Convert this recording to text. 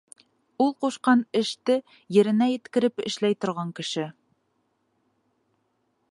Ул ҡушҡан эште еренә еткереп эшләй торған кеше.